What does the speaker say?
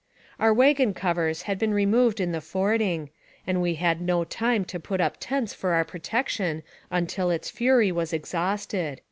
Our wagon covers had been removed in the fording, and we had no time to put up tents for our protection until its fury was exhausted.